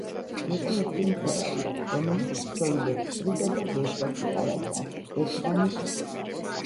იყო ერთი მკერავი, რომელიც ქსოვილებს ჭრიდა და ბევრსაც იპარავდა. ერთ ღამეს